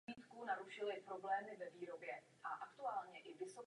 Repertoár divadla se zaměřuje na tvorbu pro děti a dospívající všech kategorií a věků.